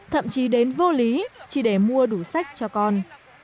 thậm chí đến vô lý chỉ để mua đủ sách cho con